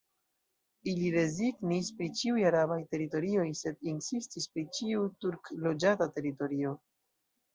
Ili rezignis pri ĉiuj arabaj teritorioj, sed insistis pri ĉiu turk-loĝata teritorio.